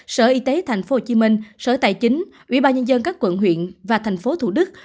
sở y tế tp hcm sở tài chính ubnd các quận huyện và tp thủ đức